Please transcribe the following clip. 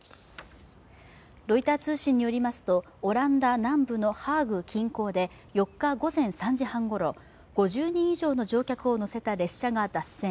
ロイター通信によりますと、オランダ南部のハーグ近郊で４日午前３時半ごろ、５０人以上の乗客を乗せた列車が脱線。